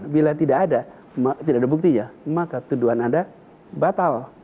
bila tidak ada buktinya maka tuduhan anda batal